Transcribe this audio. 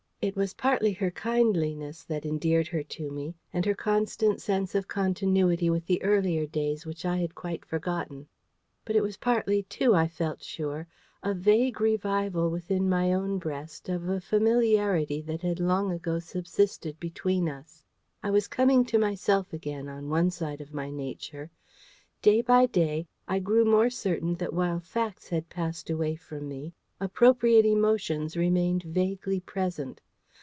It was partly her kindliness that endeared her to me, and her constant sense of continuity with the earlier days which I had quite forgotten; but it was partly too, I felt sure, a vague revival within my own breast of a familiarity that had long ago subsisted between us. I was coming to myself again, on one side of my nature. Day by day I grew more certain that while facts had passed away from me, appropriate emotions remained vaguely present.